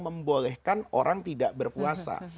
membolehkan orang tidak berpuasa